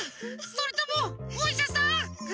それともおいしゃさん？